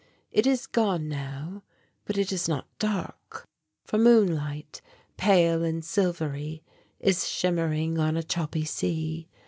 It is gone now, but it is not dark, for moonlight, pale and silvery, is shimmering on a choppy sea....